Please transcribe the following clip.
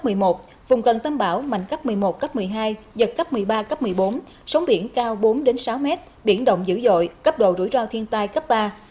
sức gió mạnh nhất ở vùng gần tâm bão mạnh cấp một mươi một cấp một mươi hai giật cấp một mươi ba cấp một mươi bốn sống biển cao bốn đến sáu m biển động dữ dội cấp độ rủi ro thiên tai cấp ba